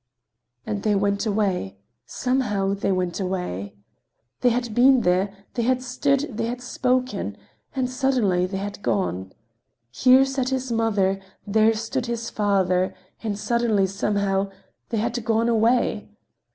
And they went away. Somehow they went away. They had been there, they had stood, they had spoken—and suddenly they had gone. Here sat his mother, there stood his father—and suddenly somehow they had gone away.